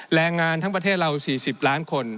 แรงงานทั้งประเทศเรา๔๐ล้านคน